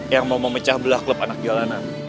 yang mau memecah belah klub anak jalanan